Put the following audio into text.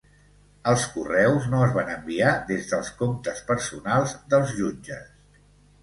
Els correus no es van enviar des dels comptes personals dels jutges